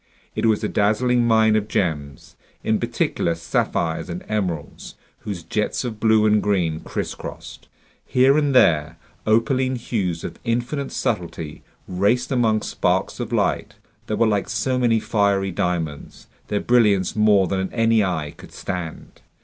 It was a dazzling mine of gems, in particular sapphires and emeralds, whose jets of blue and green crisscrossed. Here and there, opaline hues of infinite subtlety raced among sparks of light that were like so many fiery diamonds, their brilliance more than any eye could stand.